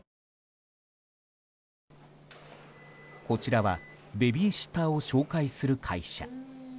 こちらはベビーシッターを紹介する会社。